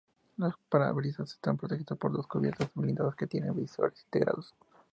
El parabrisas está protegido por dos cubiertas blindadas que tienen visores integrados.